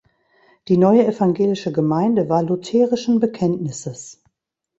Die Neue Evangelische Gemeinde war lutherischen Bekenntnisses.